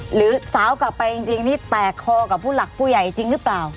หรือสาวกลับไปจริง